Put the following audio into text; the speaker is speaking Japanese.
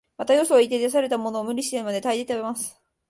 また、よそへ行って出されたものも、無理をしてまで、大抵食べます